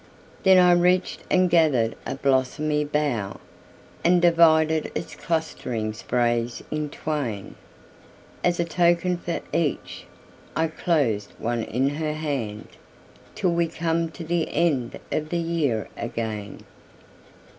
Then I reached and gathered a blossomy bough, And divided its clustering sprays in twain,"As a token for each" (I closed one in her hand)"Till we come to the end of the year again!"